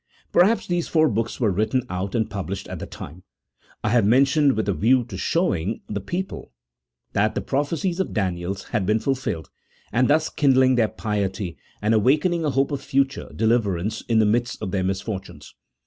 Perhaps these four books were written out and published at the time I have mentioned with a view to showing the people that the prophecies of Daniel had been fulfilled, and thus kindling their piety, and awakening a hope of future deliverance in the midst of their misfortunes.